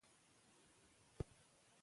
پښتو د اړیکو ژبه ده.